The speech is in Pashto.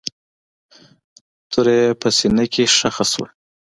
توره يې په سينه کښې ښخه شوه.